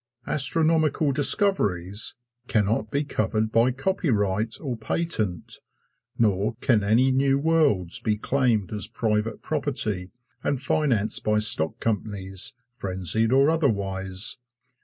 Astronomical discoveries can not be covered by copyright or patent, nor can any new worlds be claimed as private property and financed by stock companies, frenzied or otherwise.